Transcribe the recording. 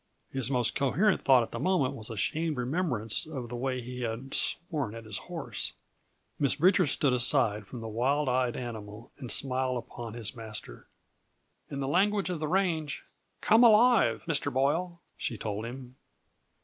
His most coherent thought at that moment was a shamed remembrance of the way he had sworn at his horse. Miss Bridger stood aside from the wild eyed animal and smiled upon his master. "In the language of the range, 'come alive,' Mr. Boyle," she told him.